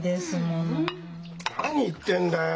何言ってんだよ。